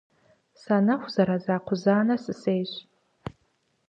Санэху зэраза кхъузанэр сысейщ.